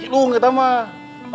lu ngerti mah